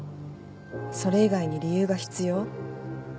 それ以外に理由が必要？